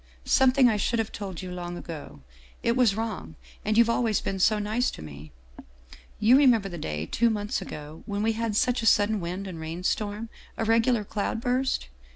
"' Something I should have told you long ago it was wrong, and you've always been so nice to me '" You remember the day, two months ago, when we had such a sudden wind and rain storm, a regular cloud burst